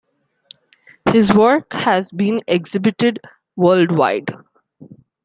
His work has been exhibited worldwide.